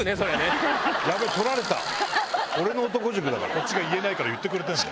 こっちが言えないから言ってくれてんだ。